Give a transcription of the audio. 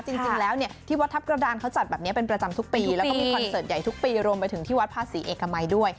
จริงแล้วเนี่ยที่วัดทัพกระดานเขาจัดแบบนี้เป็นประจำทุกปีแล้วก็มีคอนเสิร์ตใหญ่ทุกปีรวมไปถึงที่วัดภาษีเอกมัยด้วย